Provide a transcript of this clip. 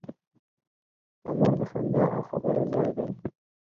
تنور د خندا او خبرو ځای دی